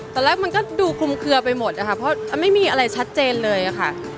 ตอนแรกมันก็ดูคลุมเคลือไปหมดนะคะเพราะไม่มีอะไรชัดเจนเลยค่ะ